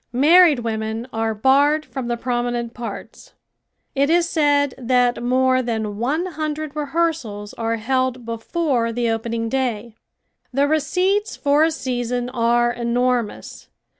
Married women are barred from the prominent parts. It is said that more than one hundred rehearsals are held before the opening day. The receipts for a season are enormous.